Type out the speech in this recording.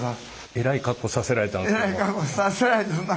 えらい格好させられたそんな。